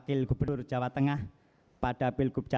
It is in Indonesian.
ini apakah jadi sheep